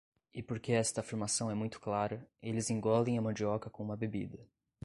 E porque esta afirmação é muito clara, eles engolem a mandioca com uma bebida.